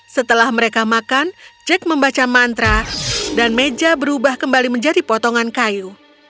setelah mereka makan jack membaca mantra dan meja berubah kembali menjadi potongan kayu